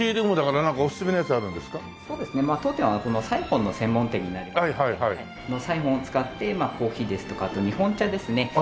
当店はサイホンの専門店になりましてサイホンを使ってコーヒーですとかあと日本茶ですね。